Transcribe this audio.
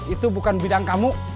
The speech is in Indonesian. itu bukan bidang kamu